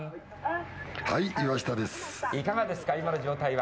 はい、いかがですか、今の状態は？